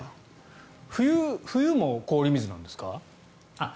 冬も氷水なんですか？